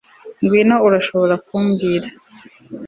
Ngwino urashobora kumbwira